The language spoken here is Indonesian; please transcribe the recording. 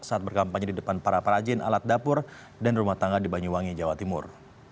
saat berkampanye di depan para perajin alat dapur dan rumah tangga di banyuwangi jawa timur